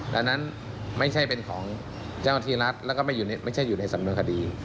ดังนั้นไม่ใช่เป็นของเจ้าหน้าที่รัฐแล้วก็ไม่ใช่อยู่ในสำนวนคดี